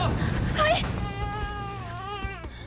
はい！